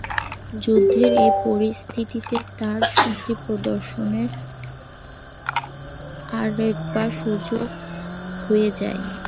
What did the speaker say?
যুদ্ধের এই পরিস্থিতিতে তার শক্তি প্রদর্শনের আরেকবার সুযোগ হয়ে যায়।